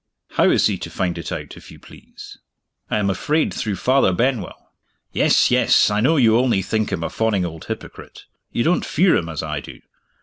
"How is he to find it out, if you please?" "I am afraid, through Father Benwell. Yes! yes! I know you only think him a fawning old hypocrite you don't fear him as I do.